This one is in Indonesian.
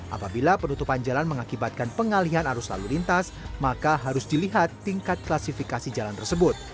apabila penutupan jalan mengakibatkan pengalihan arus lalu lintas maka harus dilihat tingkat klasifikasi jalan tersebut